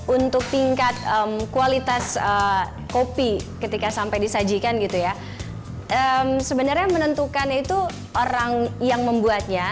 untuk tingkat kualitas kopi ketika sampai disajikan gitu ya sebenarnya menentukan itu orang yang membuatnya